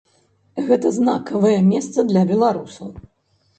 Гэта знакавае месца для беларусаў.